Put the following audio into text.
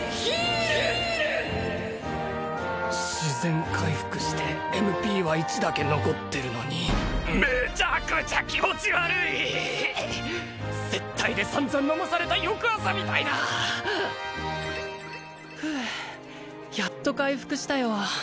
自然回復してＭＰは１だけ残ってるのにめちゃくちゃ気持ち悪い接待で散々飲まされた翌朝みたいだふうやっと回復したよ